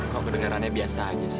kau kedengerannya biasa aja sih